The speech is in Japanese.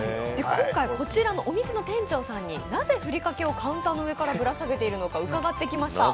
今回、こちらのお店の店長さんになぜカウンターの上からぶら下げているのか伺いました。